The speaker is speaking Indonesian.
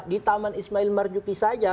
di taman ismail marjuki saja